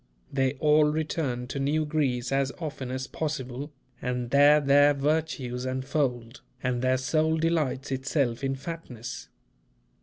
They all return to New Greece as often as possible, and there their virtues unfold, and "their soul delights itself in fatness."